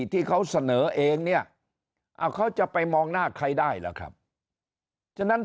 ที่เขาเสนอเองเนี่ยเขาจะไปมองหน้าใครได้ล่ะครับฉะนั้น